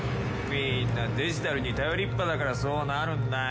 みんなデジタルに頼りっぱだからそうなるんだよ。